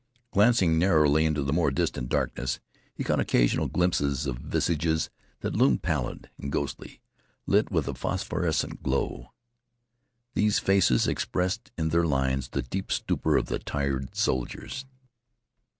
Glancing narrowly into the more distant darkness, he caught occasional glimpses of visages that loomed pallid and ghostly, lit with a phosphorescent glow. These faces expressed in their lines the deep stupor of the tired soldiers.